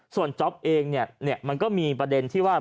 ส่วนจ๊อปเองเนี่ยมันก็มีประเด็นที่ว่า